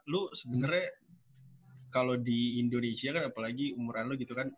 lu sebenarnya kalau di indonesia kan apalagi umuran lo gitu kan